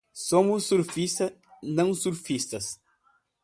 Somos sufistas, não sofistas